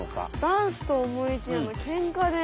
ダンスと思いきやのケンカで。